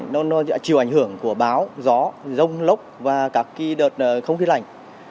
nó sẽ chịu ảnh hưởng của báo gió rông lốc và các đợt không khí lạnh